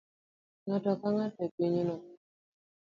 Ng'ato ka ng'ato e pinyno